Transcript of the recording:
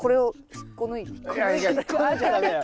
引っこ抜いちゃ駄目だよ。